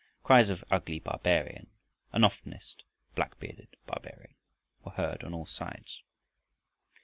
Cries of "Ugly barbarian!" and oftenest "Black bearded barbarian" were heard on all sides.